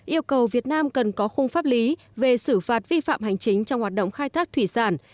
yêu cầu việt nam cần có khung pháp lý về xử phạt vi phạm hành chính trong hoạt động khai thác thủy sản